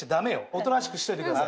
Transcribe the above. おとなしくしといてください。